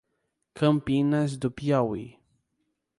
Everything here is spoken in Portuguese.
Campinas do Piauí